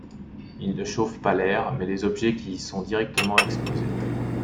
Il ne chauffe pas l'air, mais les objets qui y sont directement exposés.